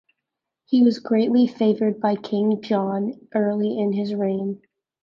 He was greatly favoured by King John early in his reign.